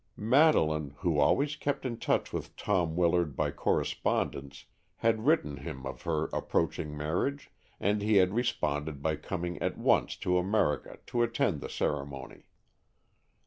Madeleine, who always kept in touch with Tom Willard by correspondence, had written him of her approaching marriage, and he had responded by coming at once to America to attend the ceremony.